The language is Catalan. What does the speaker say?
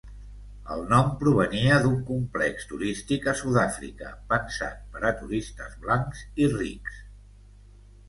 El nom provenia d'un complex turístic a Sud-àfrica pensat per a turistes blancs i rics.